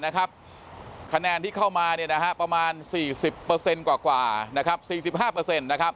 คะแนนที่เข้ามาประมาณ๔๐เปอร์เซ็นต์กว่าขวา๔๕เปอร์เซ็นต์